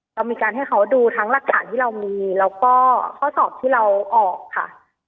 เรามีการให้เขาดูทั้งหลักฐานที่เรามีแล้วก็ข้อสอบที่เราออกค่ะ